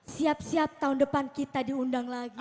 siap siap tahun depan kita diundang lagi